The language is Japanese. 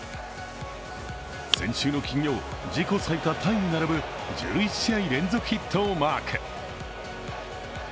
先週の金曜、自己最多タイに並ぶ１１試合連続ヒットをマーク。